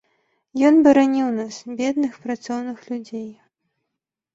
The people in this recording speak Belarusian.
Ён бараніў нас, бедных, працоўных людзей.